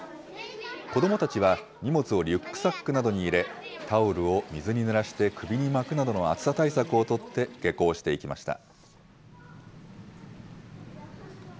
子どもたちは荷物をリュックサックなどに入れ、タオルを水にぬらして首に巻くなどの暑さ対策を取って、下校していきました。